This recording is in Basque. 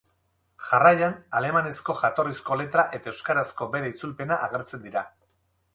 Jarraian, alemanezko jatorrizko letra eta euskarazko bere itzulpena agertzen dira.